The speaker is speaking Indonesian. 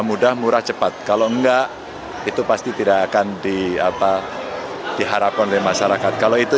mudah murah cepat kalau enggak itu pasti tidak akan di apa diharapkan oleh masyarakat kalau itu